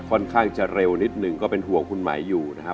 ค่อนข้างจะเร็วนิดหนึ่งก็เป็นห่วงคุณหมายอยู่นะครับ